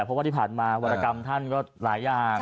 เพราะว่าที่ผ่านมาวรกรรมท่านก็หลายอย่าง